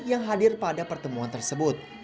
yang hadir pada pertemuan tersebut